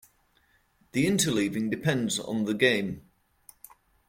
The interleaving depends on the game.